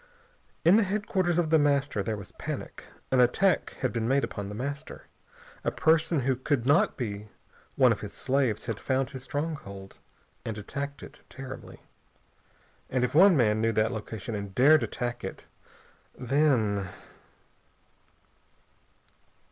In the headquarters of The Master there was panic. An attack had been made upon The Master. A person who could not be one of his slaves had found his stronghold and attacked it terribly. And if one man knew that location and dared attack it, then....